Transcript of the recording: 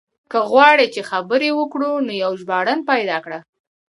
که غواړې چې خبرې وکړو نو يو ژباړن پيدا کړه.